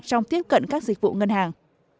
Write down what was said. trong tiếp cận các dịch vụ ngân hàng